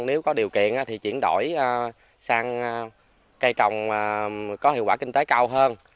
nếu có điều kiện thì chuyển đổi sang cây trồng có hiệu quả kinh tế cao hơn